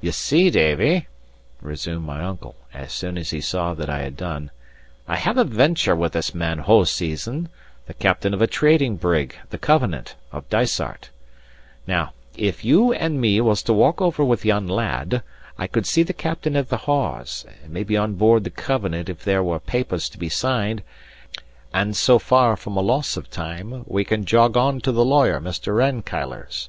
"You see, Davie," resumed my uncle, as soon as he saw that I had done, "I have a venture with this man Hoseason, the captain of a trading brig, the Covenant, of Dysart. Now, if you and me was to walk over with yon lad, I could see the captain at the Hawes, or maybe on board the Covenant if there was papers to be signed; and so far from a loss of time, we can jog on to the lawyer, Mr. Rankeillor's.